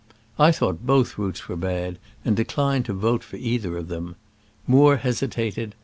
I thought both routes were bad, and declined to vote for either of them. Moore hesitated.